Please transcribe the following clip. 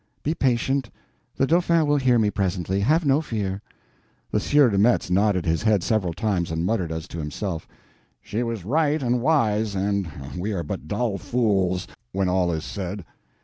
Be patient, the Dauphin will hear me presently; have no fear." The Sieur de Metz nodded his head several times, and muttered as to himself: "She was right and wise, and we are but dull fools, when all is said."